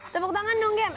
tepuk tangan dong gem